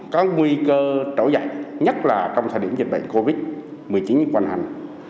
có nguy cơ trổ dạy nhất là trong thời điểm dịch bệnh covid một mươi chín quan hành